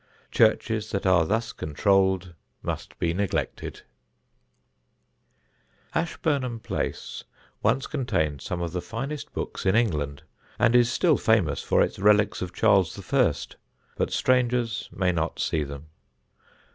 Churches that are thus controlled must be neglected. [Sidenote: ASHBURNHAM] Ashburnham Place once contained some of the finest books in England and is still famous for its relics of Charles I.; but strangers may not see them.